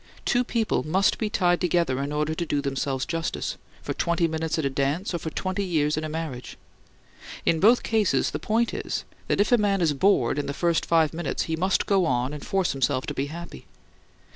Two people must be tied together in order to do themselves justice; for twenty minutes at a dance, or for twenty years in a marriage In both cases the point is, that if a man is bored in the first five minutes he must go on and force himself to be happy.